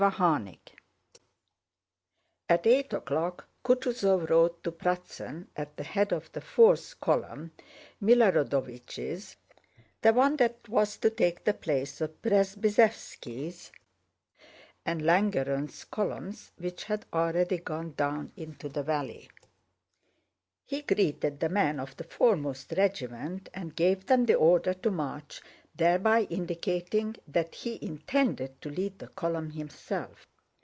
CHAPTER XV At eight o'clock Kutúzov rode to Pratzen at the head of the fourth column, Milorádovich's, the one that was to take the place of Przebyszéwski's and Langeron's columns which had already gone down into the valley. He greeted the men of the foremost regiment and gave them the order to march, thereby indicating that he intended to lead that column himself.